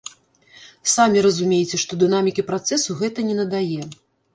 Самі разумееце, што дынамікі працэсу гэта не надае.